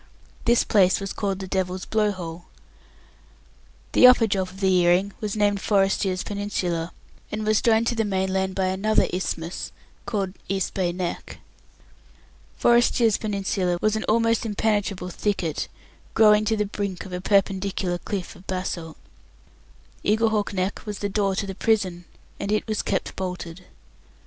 This place was called the Devil's Blow hole. The upper drop of the earring was named Forrestier's Peninsula, and was joined to the mainland by another isthmus called East Bay Neck. Forrestier's Peninsula was an almost impenetrable thicket, growing to the brink of a perpendicular cliff of basalt. Eaglehawk Neck was the door to the prison, and it was kept bolted.